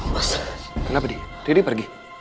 mas kenapa riri pergi